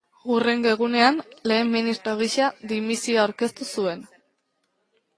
Hurrengo egunean, lehen ministro gisa dimisioa aurkeztu zuen.